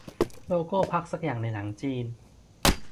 โลโก้พรรคสักอย่างในหนังจีน